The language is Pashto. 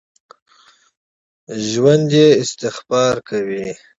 ژوندي استغفار کوي